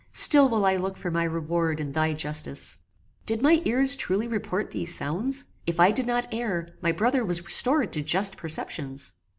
Still will I look for my reward in thy justice!" Did my ears truly report these sounds? If I did not err, my brother was restored to just perceptions.